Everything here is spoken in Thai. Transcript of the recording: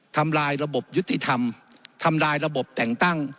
ทำลายระบบยุติธรรมทำลายระบบแต่งตั้ง